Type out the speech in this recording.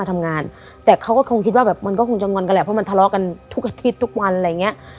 ทำงานแต่เขาก็คงคิดว่าแบบมันก็คงจะงอนกันแหละเพราะมันทะเลาะกันทุกอาทิตย์ทุกวันอะไรอย่างเงี้ย